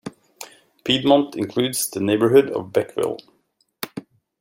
Piedmont includes the neighborhood of Beckville.